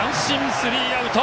スリーアウト！